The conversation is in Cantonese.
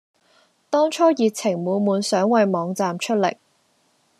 當初熱情滿滿想為網站出力